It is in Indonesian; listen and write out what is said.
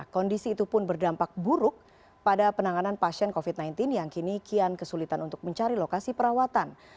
kondisi itu pun berdampak buruk pada penanganan pasien covid sembilan belas yang kini kian kesulitan untuk mencari lokasi perawatan